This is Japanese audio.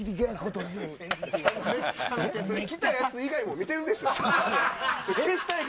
来たやつ以外も見てるでしょ。